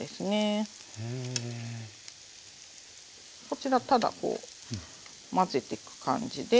こちらただこう混ぜてく感じで。